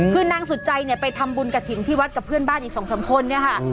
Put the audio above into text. คือนางสุดใจเนี่ยไปทำบุญกระถิ่นที่วัดกับเพื่อนบ้านอีก๒๓คนเนี่ยค่ะ